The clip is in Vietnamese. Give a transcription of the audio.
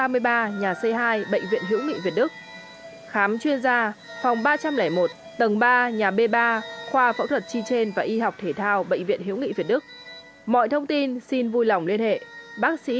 phòng một trăm ba mươi ba nhà c hai bệnh viện hữu nghị việt đức